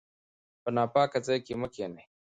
په ناپاکه ځای کې مه کښینئ.